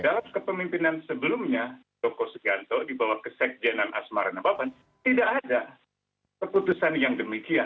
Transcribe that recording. dalam kepemimpinan sebelumnya joko sugianto dibawah kesekjenan asmara nabapan tidak ada keputusan yang demikian